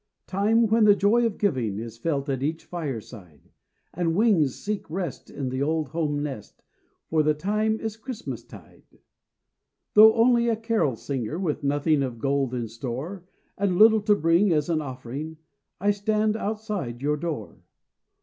Time when the joy of giving Is felt at each fireside, And wings seek rest in the old home nest, For the time is Christmas tide. Though only a carol singer With nothing of gold in store, And little to bring as an offering, I stand outside your door.